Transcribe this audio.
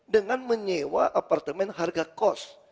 dengan menyewa apartemen harga kos